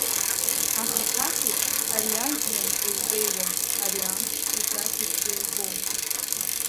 Аха ԥасеиԥш ари ажәҩан кеикеиуам, ари амшгьы ԥасеиԥш еилгом…